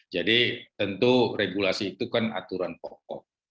jadi tentu regulasi itu kan aturan pokok